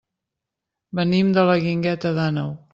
Venim de la Guingueta d'Àneu.